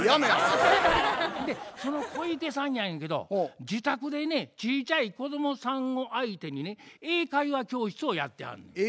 その小池さんやねんけど自宅でねちいちゃい子供さんを相手にね英会話教室をやってはるの。